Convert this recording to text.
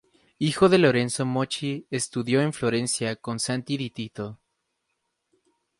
Hijo de Lorenzo Mochi, estudió en Florencia con Santi di Tito.